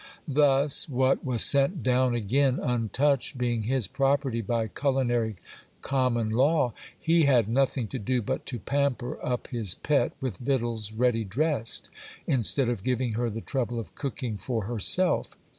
Thus, what was sent down again untouched being his property by culinary common law, he had nothing to do but to pamper up his pet with victuals ready dressed, instead of giving her the trouble of cooking for herself.